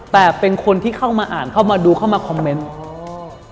แต่เป็นคนที่เข้ามาอ่านเข้ามาดูเข้ามาคอมเมนต์